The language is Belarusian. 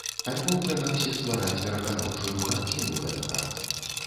Альбо прынамсі ствараць пераканаўчую карціну гэтага.